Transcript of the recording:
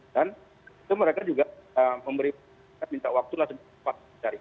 dan mereka juga memberikan minta waktunya sempat cari